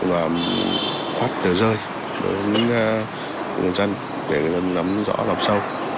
và phát tờ rơi đối với người dân để người dân nắm rõ lọc sâu